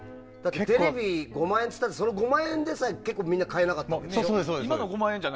テレビ５万円って言ったらその５万でさえみんな買えなかったからね。